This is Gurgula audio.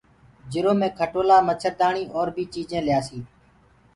جِرو مي کٽولآ مڇردآڻيٚ اور بيٚ چيٚجينٚ ليآسيٚ